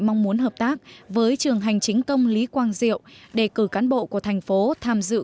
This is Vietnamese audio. mong muốn hợp tác với trường hành chính công lý quang diệu để cử cán bộ của thành phố tham dự